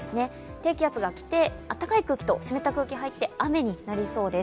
低気圧が来て、あったかい空気と湿った空気が来て雨になりそうです。